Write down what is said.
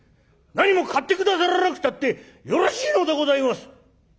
なにも買って下さらなくったってよろしいのでございます！」。